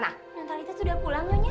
nah mentalitas sudah pulang nyonya